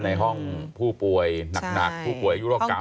ในห้องผู้ป่วยหนักผู้ป่วยอายุโรคกรรม